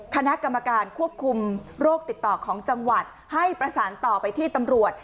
คณะกรรมการควบคุมโรคติดต่อของจังหวัดให้ประสานต่อไปที่ตำรวจ